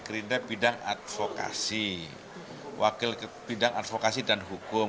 partai gerindra bidang advokasi dan hukum